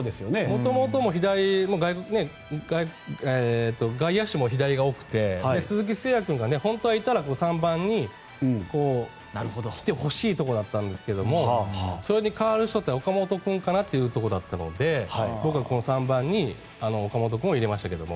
元々も外野手も左が多くて鈴木誠也君が本当はいたら３番に来てほしいところだったんですがそれに代わる人って岡本君かなというところだったので僕はこの３番に岡本君を入れましたけど。